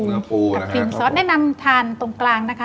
ครีมซอสแนะนำทานตรงกลางนะคะ